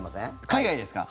海外ですか？